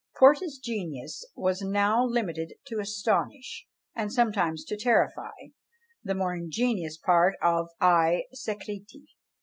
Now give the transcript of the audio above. Porta's genius was now limited to astonish, and sometimes to terrify, the more ingenious part of I Secreti.